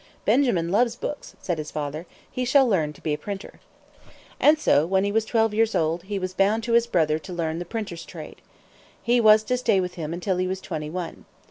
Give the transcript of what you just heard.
"Benjamin loves books," said his father. "He shall learn to be a printer." And so, when he was twelve years old, he was bound to his brother to learn the printer's trade. He was to stay with him until he was twenty one.